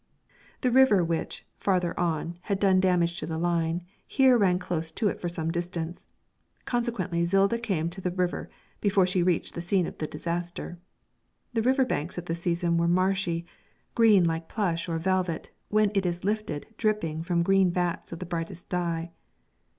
The river which, farther on, had done damage to the line, here ran close to it for some distance, consequently Zilda came to the river before she reached the scene of the disaster. The river banks at this season were marshy, green like plush or velvet when it is lifted dripping from green vats of the brightest dye.